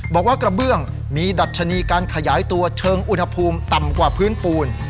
บอกว่ากระเบื้องมีดัชนีการขยายตัวเชิงอุณหภูมิต่ำกว่าพื้นปูน